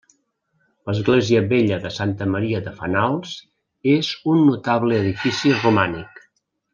L'església vella de Santa Maria de Fenals és un notable edifici romànic.